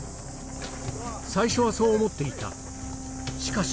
最初はそう思っていた。